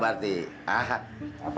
siang nih paruh harga berarti